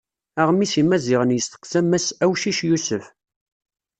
Aɣmis n Yimaziɣen yesteqsa mass Awcic Yusef.